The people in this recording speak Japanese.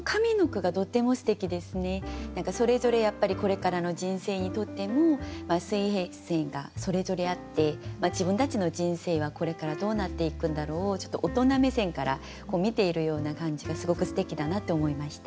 何かそれぞれやっぱりこれからの人生にとっても水平線がそれぞれあって自分たちの人生はこれからどうなっていくんだろうをちょっと大人目線から見ているような感じがすごくすてきだなと思いました。